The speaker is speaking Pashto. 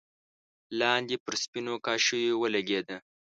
لاندې پر سپينو کاشيو ولګېده.